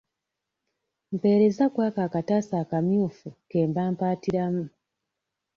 Mpeereza kw'ako akataasa akamyufu ke mba mpaatiramu.